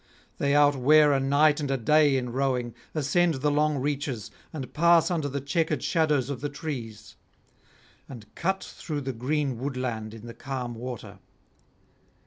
They outwear a night and a day in rowing, ascend the long reaches, and pass under the chequered shadows of the trees, and cut through the green woodland in the calm water.